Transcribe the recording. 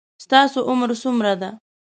ستاسو عمر څومره ده